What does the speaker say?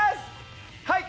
はい！